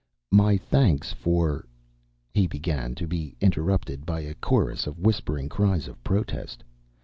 "My thanks for " he began, to be interrupted by a chorus of whispering cries of protest.